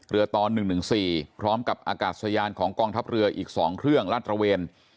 ตอน๑๑๔พร้อมกับอากาศยานของกองทัพเรืออีก๒เครื่องลาดตระเวน